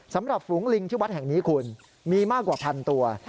สำหรับฝูงลิงชื่อวัดแห่งนี้คุณมีมากกว่าพันตัว